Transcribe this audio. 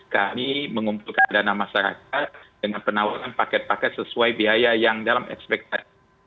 kami mengumpulkan dana masyarakat dengan penawaran paket paket sesuai biaya yang dalam ekspektasi